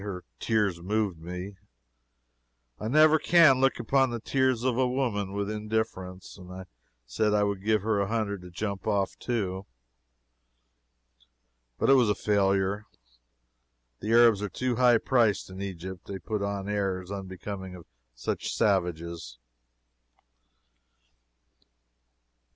Her tears moved me I never can look upon the tears of woman with indifference and I said I would give her a hundred to jump off, too. But it was a failure. The Arabs are too high priced in Egypt. They put on airs unbecoming to such savages.